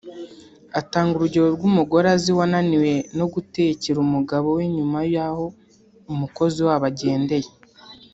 Atanga urugero rw’umugore azi wananiwe no gutekera umugabo we nyuma y’aho umukozi wabo agendeye